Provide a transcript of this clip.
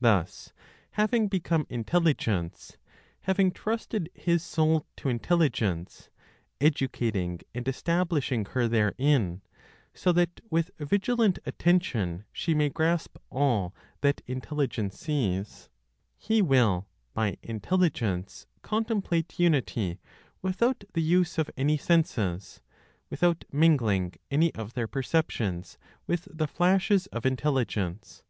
Thus having become intelligence, having trusted his soul to intelligence, educating and establishing her therein, so that with vigilant attention she may grasp all that intelligence sees, he will, by intelligence, contemplate unity, without the use of any senses, without mingling any of their perceptions with the flashes of intelligence.